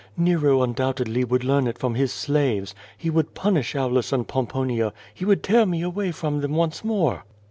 Nero undoubtedly would learn it from his slaves. He would punish Aulus and Pom ponia. He would tear me away from them once more."